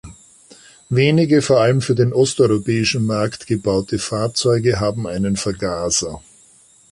Wenige, vor allem für den osteuropäischen Markt gebaute Fahrzeuge haben einen Vergaser.